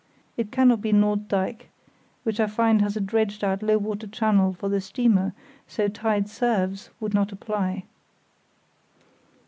It cannot be Norddeich, which I find has a dredged out low water channel for the steamer, so tide "serves" would not apply.